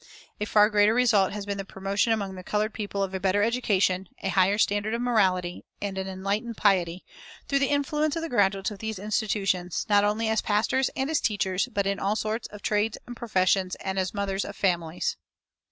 A far greater result has been the promotion among the colored people of a better education, a higher standard of morality, and an enlightened piety, through the influence of the graduates of these institutions, not only as pastors and as teachers, but in all sorts of trades and professions and as mothers of families.